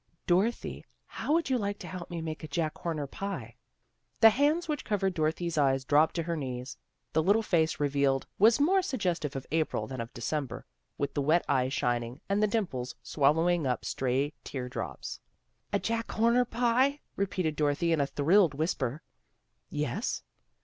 " Dorothy, how would you like to help me make a Jack Horner pie? " The hands which covered Dorothy's eyes dropped to her knees. The little face revealed was more suggestive of April than of December, with the wet eyes shining, and the dimples swallowing up stray tear drops. " A Jack Horner pie? " repeated Dorothy in a thrilled whisper. "Yes."